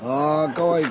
かわいい！